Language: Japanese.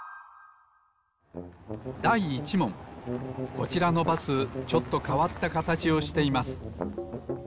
こちらのバスちょっとかわったかたちをしています。